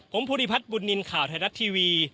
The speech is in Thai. ผมภูริพัฒน์บุญนินทร์ข่าวไทยรัฐทีวี